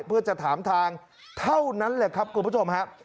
เพื่อจะถามทางเท่านั้นแหละครับคุณผู้ชมครับ